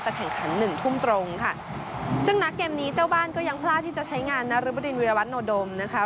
แข่งขันหนึ่งทุ่มตรงค่ะซึ่งนักเกมนี้เจ้าบ้านก็ยังพลาดที่จะใช้งานนรบดินวิรวัตโนดมนะคะ